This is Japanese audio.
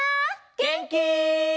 げんき？